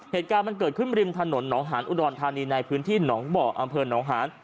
เหตุการณ์มันเกิดขึ้นริมถนนหนองหานอุดรธานีในพื้นที่หนองบ่ออำเภอหนองหาน